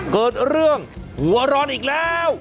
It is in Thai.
เกิดเรื่องหัวร้อนอีกแล้ว